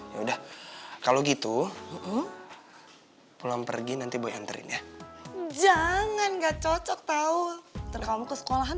ya udah kalau gitu belum pergi nanti boy ntarin ya jangan nggak cocok tahu terkamu ke sekolahan